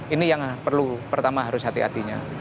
ini yang perlu pertama harus hati hatinya